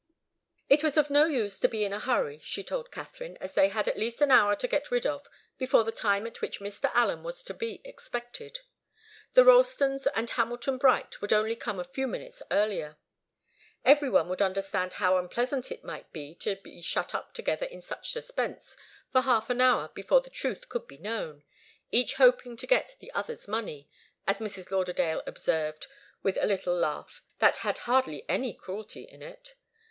It was of no use to be in a hurry, she told Katharine, as they had at least an hour to get rid of before the time at which Mr. Allen was to be expected. The Ralstons and Hamilton Bright would only come a few minutes earlier. Every one would understand how unpleasant it might be to be shut up together in such suspense for half an hour before the truth could be known each hoping to get the other's money, as Mrs. Lauderdale observed with a little laugh that had hardly any cruelty in it.